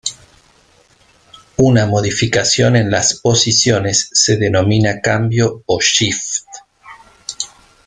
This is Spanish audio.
Una modificación en las posiciones se denomina cambio o "shift".